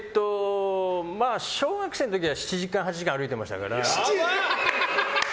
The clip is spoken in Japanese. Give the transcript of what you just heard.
小学生の時は７時間、８時間歩いていましたから。